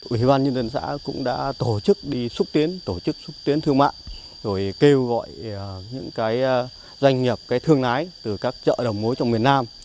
ủy ban nhân dân xã cũng đã tổ chức đi xúc tiến tổ chức xúc tiến thương mại rồi kêu gọi những cái doanh nghiệp cái thương lái từ các chợ đồng mối trong miền nam